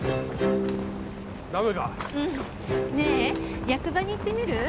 ねえ役場に行ってみる？